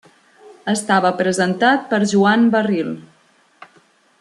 Estava presentat per Joan Barril.